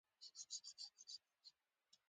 هوسۍ په ژمي کې مړه شوې او که په اوړي کې.